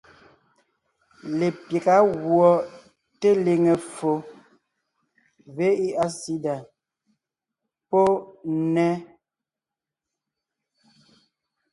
Lepyága gùɔ teliŋe ffo (VIH/SIDA) pɔ́ nnέ,